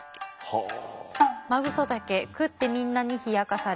はあ。